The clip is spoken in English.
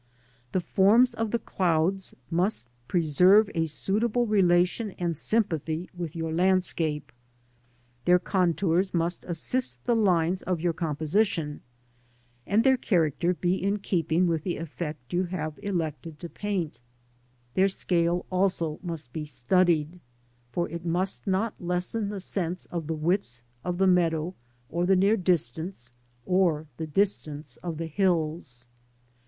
The forms "of the clouds must preserve a suitable relation and sympathy with your landscape. Their contours must assist the lines of your composition, and their character be in keeping with the effect you SKETCHING FROM NATURE. 23 have elected to paint* Their scale also must be studied, for it must not lessen the sense of the width of the meadow or the near distance, or the distance of the hills.